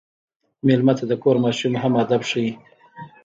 مېلمه ته د کور ماشوم هم ادب ښيي.